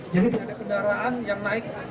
jadi tidak ada kendaraan yang naik